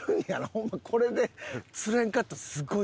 ホンマこれで釣れんかったらすごいで？